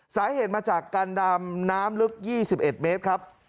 สาเหตุมาจากการดำน้ำลึก๒๑เมตรครับ